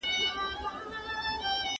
نظريې نه جوړېږي.